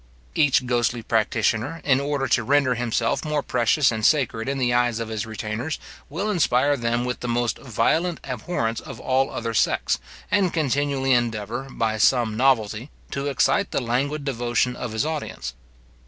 Each ghostly practitioner, in order to render himself more precious and sacred in the eyes of his retainers, will inspire them with the most violent abhorrence of all other sects, and continually endeavour, by some novelty, to excite the languid devotion of his audience.